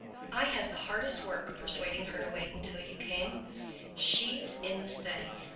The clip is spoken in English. I had the hardest work persuading her to wait till you came. She's in the study.